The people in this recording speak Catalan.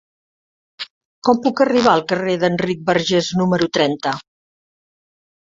Com puc arribar al carrer d'Enric Bargés número trenta?